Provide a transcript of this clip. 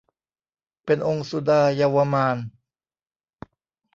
เป็นองค์สุดาเยาวมาลย์